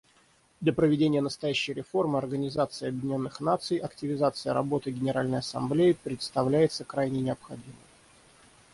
Для проведения настоящей реформы Организации Объединенных Наций активизация работы Генеральной Ассамблеи представляется крайне необходимой.